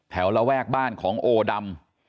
ระแวกบ้านของโอดำ